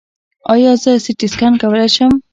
ایا زه سټي سکن کولی شم؟